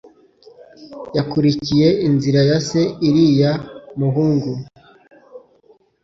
Yakurikiye inzira ya se iriya muhungu